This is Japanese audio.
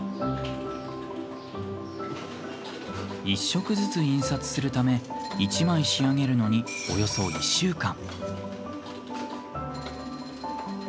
１色ずつ印刷するため１枚仕上げるのに、およそ１週間。